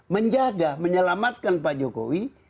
menjaga menyelamatkan pak jokowi